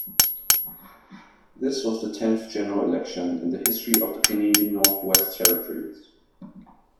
This was the tenth general election in the history of the Canadian Northwest Territories.